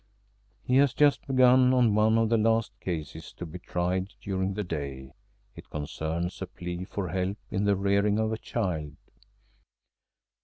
He has just begun on one of the last cases to be tried during the day. It concerns a plea for help in the rearing of a child.